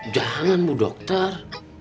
jangan bu dokter